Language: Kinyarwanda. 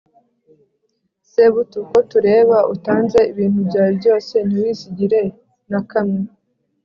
Sebutu! Ko tureba utanze ibintu byawe byose ntiwisigire na kamwe,